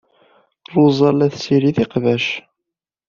Ṛuza la tessirid iqbac.